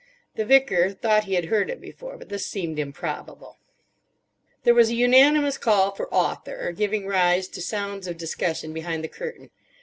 The Vicar thought he had heard it before, but this seemed improbable. There was a unanimous call for Author, giving rise to sounds of discussion behind the curtain.